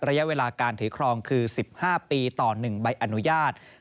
ระยะเวลาการถือครองคือ๑๕ปีต่อ๑ใบอนุญาต